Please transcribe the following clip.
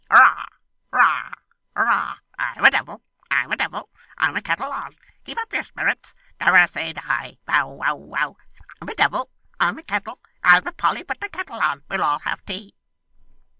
Hurrah, hurrah, hurrah! I'm a devil, I'm a devil, I'm a ket tle on, Keep up your spirits, Never say die, Bow, wow, wow, I'm a devil, I'm a ket tle, I'm a Polly put the ket tle on, we'll all have tea.